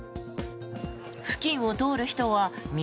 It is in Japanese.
付近を通る人は見